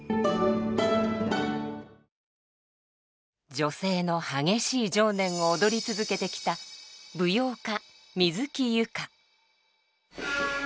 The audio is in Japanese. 女性の激しい情念を踊り続けてきた舞踊家水木佑歌。